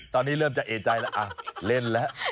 ตอนนี้เริ่มจะเอกใจแล้วเล่นแล้ว